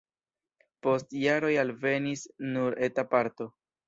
Post jaroj alvenis nur eta parto.